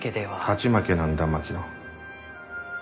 勝ち負けなんだ槙野。